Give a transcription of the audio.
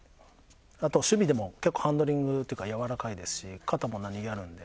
あと守備でも結構ハンドリングっていうかやわらかいですし肩も何げにあるんで。